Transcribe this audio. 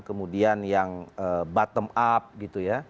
kemudian yang bottom up gitu ya